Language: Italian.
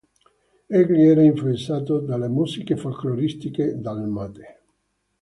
Egli era influenzato dalle musiche folcloristiche dalmate.